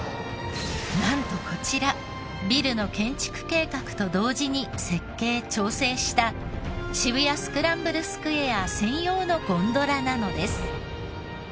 なんとこちらビルの建築計画と同時に設計調整した渋谷スクランブルスクエア専用のゴンドラなのです。